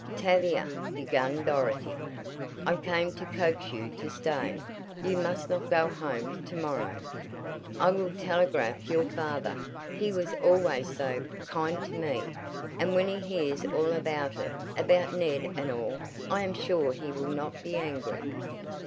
"Tavia," began Dorothy, "I came to coax you to stay you must not go home to morrow. I will telegraph your father. He was always so kind to me. And when he hears all about it about Ned and all I am sure he will not be angry."